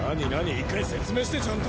一回説明してちゃんと。